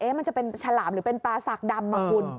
มันจะเป็นฉลามหรือเป็นปลาสากดำคุณ